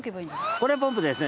これポンプですね。